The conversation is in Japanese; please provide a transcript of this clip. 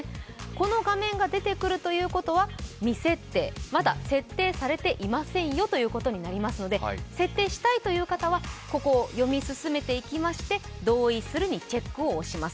この画面が出てくるということは、未設定、まだ設定されていませんよということになりますので、設定したいという方は、ここを読み進めていきまして「同意する」にチェックを入れます。